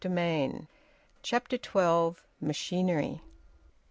VOLUME ONE, CHAPTER TWELVE. MACHINERY.